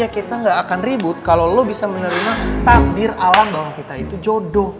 kita gak akan ribut kalau lo bisa menerima takdir alam bahwa kita itu jodoh